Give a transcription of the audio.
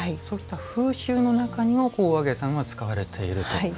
そういった風習の中にもお揚げさんは使われていると。